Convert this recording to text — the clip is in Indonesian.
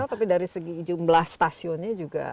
tapi dari segi jumlah stasiunnya juga